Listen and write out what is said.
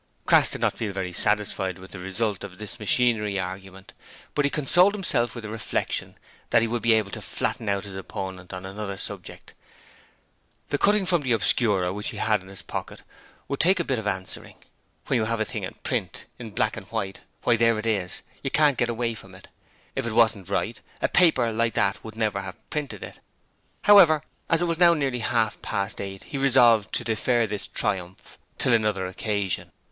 Crass did not feel very satisfied with the result of this machinery argument, but he consoled himself with the reflection that he would be able to flatten out his opponent on another subject. The cutting from the Obscurer which he had in his pocket would take a bit of answering! When you have a thing in print in black and white why there it is, and you can't get away from it! If it wasn't right, a paper like that would never have printed it. However, as it was now nearly half past eight, he resolved to defer this triumph till another occasion.